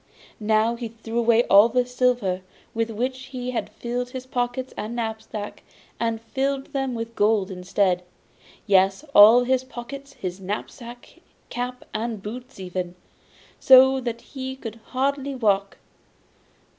Now he threw away all the silver with which he had filled his pockets and knapsack, and filled them with gold instead yes, all his pockets, his knapsack, cap and boots even, so that he could hardly walk.